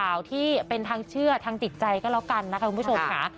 ข่าวที่เป็นทางเชื่อทางจิตใจก็แล้วกันนะคะคุณผู้ชมค่ะ